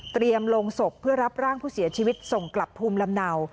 ลงศพเพื่อรับร่างผู้เสียชีวิตส่งกลับภูมิลำเนา